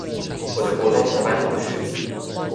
我的國中同班同學